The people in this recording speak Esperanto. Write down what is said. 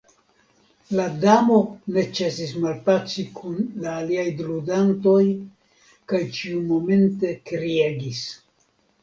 La Damo ne ĉesis malpaci kun la aliaj ludantoj kaj ĉiumomente kriegis.